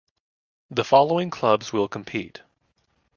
The following clubs will compete.